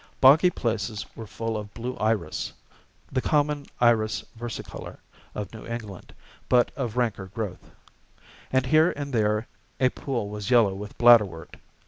Boggy places were full of blue iris (the common Iris versicolor of New England, but of ranker growth), and here and there a pool was yellow with bladderwort.